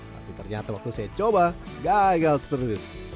tapi ternyata waktu saya coba gagal terus